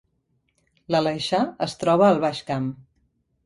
L’Aleixar es troba al Baix Camp